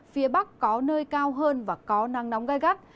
phía bắc có nơi cao hơn và có nắng nóng gai gắt